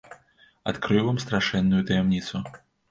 Адкрыю вам страшэнную таямніцу.